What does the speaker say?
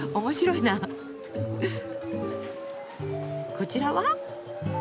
こちらは？